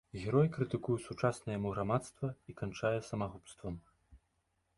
Герой крытыкуе сучаснае яму грамадства і канчае самагубствам.